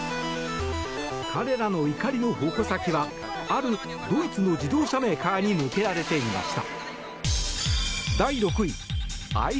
彼らの怒りの矛先はあるドイツの自動車メーカーに向けられていました。